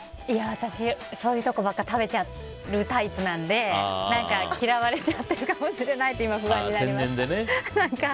私、そういうところばかり食べちゃうタイプなので嫌われちゃってるかもしれないって今、不安になりました。